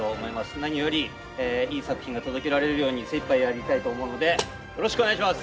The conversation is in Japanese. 何よりいい作品が届けられるように精いっぱいやりたいと思うのでよろしくお願いします。